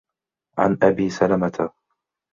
عَنْ أَبِي سَلَمَةَ